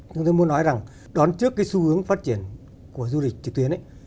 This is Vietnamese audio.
chúng tôi muốn nói rằng đón trước cái xu hướng phát triển của du lịch trực tuyến